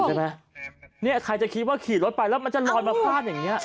ใช่ไหมเนี่ยใครจะคิดว่าขี่รถไปแล้วมันจะลอยมาพลาดอย่างเงี้